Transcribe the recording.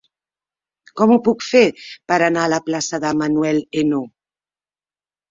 Com ho puc fer per anar a la plaça de Manuel Ainaud?